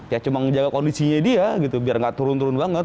ya cuma menjaga kondisinya dia gitu biar gak turun turun banget